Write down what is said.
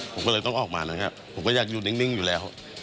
ผมก็เลยต้องออกมานะครับผมก็อยากอยู่นิ่งอยู่แล้ว